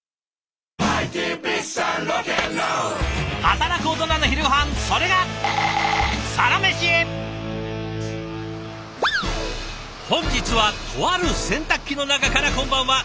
働くオトナの昼ごはんそれが本日はとある洗濯機の中からこんばんは。